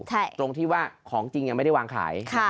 ตรงที่ว่าของจริงยังไม่ได้วางขาย